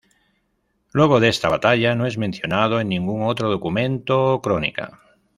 Luego de esta batalla no es mencionado en ningún otro documento o crónica.